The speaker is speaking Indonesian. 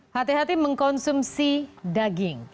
hati hati mengkonsumsi daging